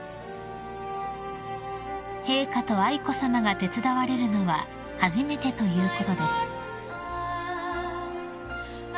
［陛下と愛子さまが手伝われるのは初めてということです］